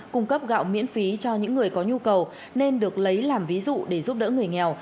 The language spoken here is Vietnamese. cung cấp gạo miễn phí cho những người có nhu cầu nên được lấy làm ví dụ để giúp đỡ người nghèo